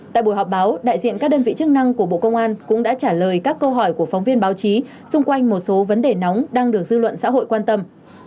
tại buổi họp báo đại diện các đơn vị chức năng của bộ công an cũng đã trả lời các câu hỏi của phóng viên báo chí xung quanh một số vấn đề nóng đang được dư luận xã hội quan tâm